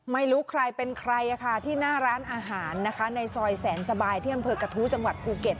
ไม่รู้ใครเป็นใครที่หน้าร้านอาหารนะคะในซอยแสนสบายที่อำเภอกระทู้จังหวัดภูเก็ต